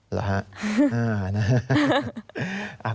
เหรอฮะ